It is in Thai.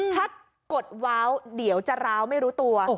ถ้ากดว้าวเดี๋ยวจะร้าวไม่รู้ตัว